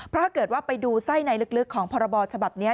ถ้าเกิดว่าไปดูไส้ในลึกของพรบฉบับนี้